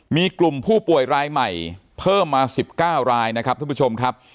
มีกลุ่มผู้ป่วยรายใหม่เพิ่มมา๑๙รายนะครับท่านผู้ชมครับ